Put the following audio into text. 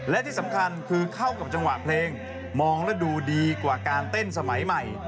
และที่สำคัญคือเข้ากับจังหวะเพลงมองแล้วดูดีกว่าการเต้นสมัยใหม่